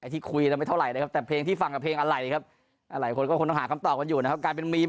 ที่ทำชื่อเสียงให้กับประเทศอาช